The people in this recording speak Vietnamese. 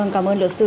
cảm ơn luật sư